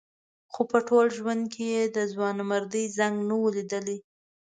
خو په ټول ژوند یې د ځوانمردۍ زنګ نه و لیدلی.